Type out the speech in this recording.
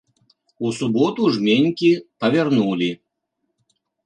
У суботу жменькі павярнулі.